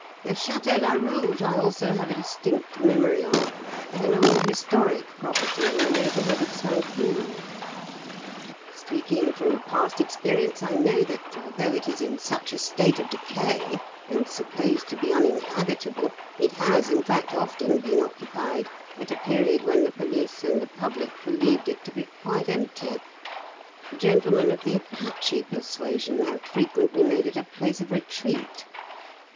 The Château Larouge I also have a distinct memory of, as an old historic property in the neighbourhood of St. Cloud. Speaking from past experience, I know that, although it is in such a state of decay, and supposed to be uninhabitable, it has, in fact, often been occupied at a period when the police and the public believed it to be quite empty. Gentlemen of the Apache persuasion have frequently made it a place of retreat.